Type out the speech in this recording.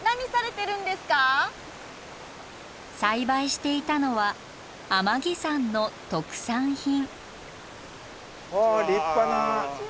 栽培していたのは天城山の特産品。